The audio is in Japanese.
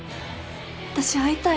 私会いたい。